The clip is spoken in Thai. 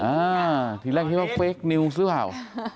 อ่าทีแรกคิดว่าเฟคนิวหรือเปล่า